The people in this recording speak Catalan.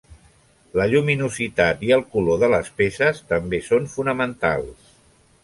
La lluminositat i el color de les peces també són fonamentals.